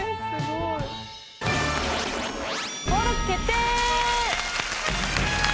登録決定！